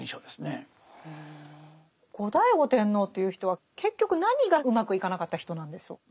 後醍醐天皇という人は結局何がうまくいかなかった人なんでしょう？